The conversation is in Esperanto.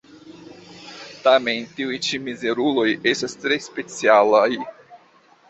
Tamen tiuj ĉi mizeruloj estas tre specialaj.